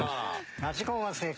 ラジコンは正解？